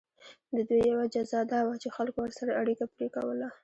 د دوی یوه جزا دا وه چې خلکو ورسره اړیکه پرې کوله.